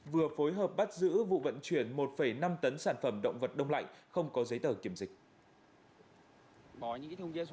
vừa phối hợp bắt giữ vụ vận chuyển một năm tấn sản phẩm động vật đông lạnh không có giấy tờ kiểm dịch